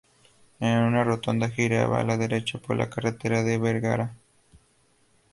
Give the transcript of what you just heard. En una rotonda giraba a la derecha por la Carretera de Bergara.